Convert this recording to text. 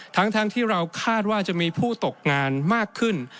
ทั้งที่เราคาดว่าจะมีผู้ตกงานมากขึ้น